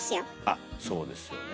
あっそうですよね。